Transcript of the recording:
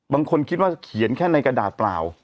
บางคนคิดว่าเขียนแค่ในกระดาษเปล่า